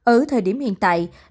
ở thời điểm hiện tại